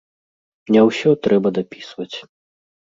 Не ўсё трэба дапісваць.